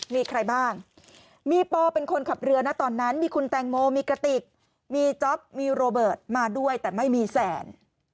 มีใครบ้างมีปอเป็นคนขับเรือนะตอนนั้นมีคุณแตงโมมีกระติกมีจ๊อปมีโรเบิร์ตมาด้วยแต่ไม่มีแสน